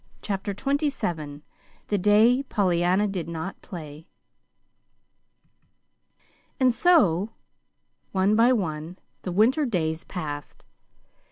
CHAPTER XXVII THE DAY POLLYANNA DID NOT PLAY And so one by one the winter days passed.